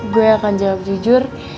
gue akan jawab jujur